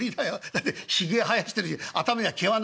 だってひげ生やしてるし頭には毛はないし」。